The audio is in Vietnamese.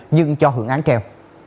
nhưng cho hưởng án kèo